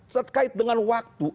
terkait dengan waktu